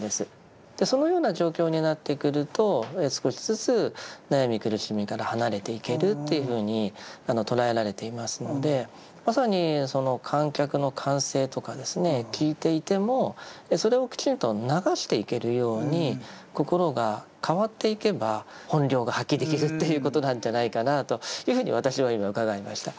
そのような状況になってくると少しずつ悩み苦しみから離れていけるというふうに捉えられていますのでまさにその観客の歓声とかですね聞いていてもそれをきちんと流していけるように心が変わっていけば本領が発揮できるということなんじゃないかなというふうに私は今伺いました。